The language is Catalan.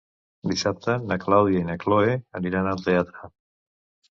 Dissabte na Clàudia i na Cloè aniran al teatre.